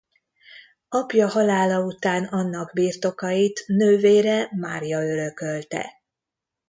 Apja halála után annak birtokait nővére Mária örökölte.